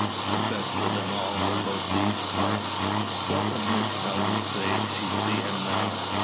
The best of them all about these parts. What would Miss Helen say if she see him now?